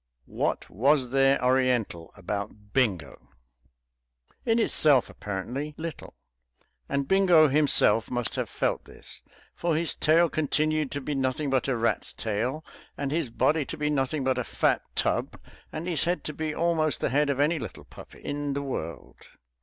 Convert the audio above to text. What was there Oriental about "Bingo"? In itself, apparently, little. And Bingo himself must have felt this; for his tail continued to be nothing but a rat's tail, and his body to be nothing but a fat tub, and his head to be almost the head of any little puppy in the world.